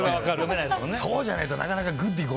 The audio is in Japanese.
そうじゃないと、なかなか「グッディ！」